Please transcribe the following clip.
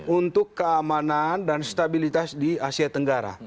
untuk keamanan dan stabilitas di asia tenggara